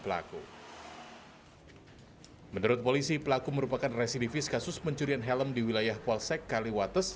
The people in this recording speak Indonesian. pelaku menurut polisi pelaku merupakan residivis kasus pencurian helm di wilayah polsek kaliwates